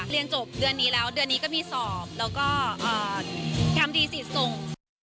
เรียนจบเดือนนี้แล้วเดือนนี้ก็มีสอบแล้วก็ทำทีสิส่ง